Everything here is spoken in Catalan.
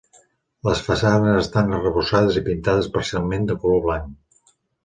Les façanes estan arrebossades i pintades parcialment de color blanc.